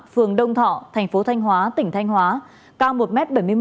phường đông thọ thành phố thanh hóa tỉnh thanh hóa cao một m bảy mươi một